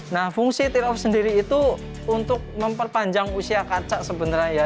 nah fungsi tear off sendiri itu untuk memperpanjang usia kaca sebenarnya